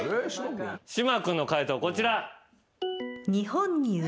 島君の解答こちら。